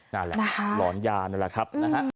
นั่นแหละหลอนยานั่นแหละครับ